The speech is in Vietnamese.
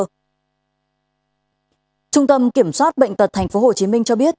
trung tâm kiểm soát bệnh tật tp hcm cho biết